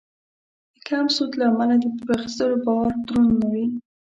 د کم سود له امله د پور اخیستلو بار دروند نه وي.